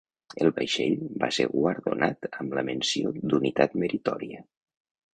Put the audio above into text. El vaixell va ser guardonat amb la Menció d'unitat meritòria.